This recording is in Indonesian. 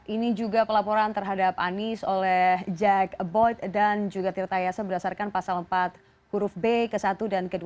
ini juga pelaporan terhadap anies oleh jack boyd dan juga tirta yasa berdasarkan pasal empat huruf b ke satu dan ke dua